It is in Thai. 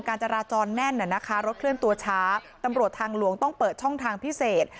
การจราจรแน่นรถเคลื่อนตัวช้าตำรวจทางหลวงต้องเปิดช่องทางพิเศษ